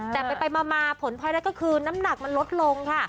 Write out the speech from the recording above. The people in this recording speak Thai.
แต่ไปมาผลพลอยได้ก็คือน้ำหนักมันลดลงค่ะ